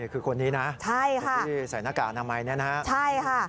คือคนนี้นะที่ใส่หน้ากากน้ำไม้นี่นะครับใช่ค่ะ